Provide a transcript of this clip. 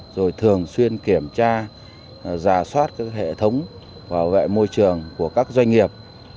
rồi thường xuyên kiểm tra giả soát các hệ thống bảo vệ môi trường của các doanh nghiệp